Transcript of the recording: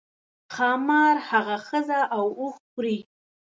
ښامار هغه ښځه او اوښ خوري.